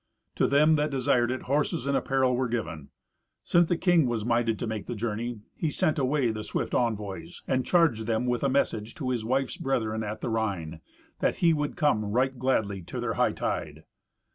To them that desired it horses and apparel were given. Since the king was minded to make the journey, he sent away the swift envoys, and charged them with a message to his wife's brethren at the Rhine, that he would come right gladly to their hightide.